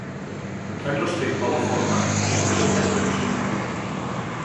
En respecte a la forma, és més aviat tradicional.